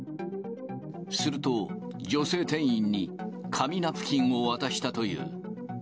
すると、女性店員に紙ナプキンを渡したという。